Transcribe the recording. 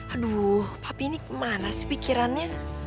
aduh papi ini kemana sih pikirannya